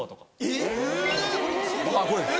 ・えっ⁉・あっこれです。